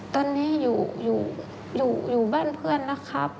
ตอนนี้อยู่อยู่บ้านเพื่อนแล้วครับ